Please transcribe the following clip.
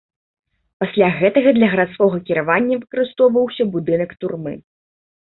Пасля гэтага для гарадскога кіравання выкарыстоўваўся будынак турмы.